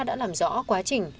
đã làm rõ quá trình